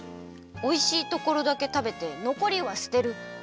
おいしいところだけたべてのこりは捨てる。